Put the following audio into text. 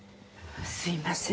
すみません。